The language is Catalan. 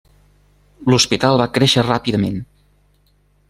L'hospital va créixer ràpidament.